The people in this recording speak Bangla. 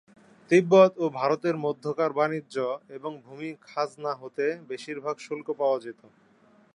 তিব্বত ও ভারতের মধ্যকার বাণিজ্য এবং ভূমি খাজনা হতে বেশিরভাগ শুল্ক পাওয়া যেত।